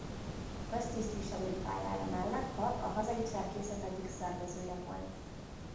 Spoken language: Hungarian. Köztisztviselői pályája mellett Papp a hazai cserkészet egyik szervezője volt.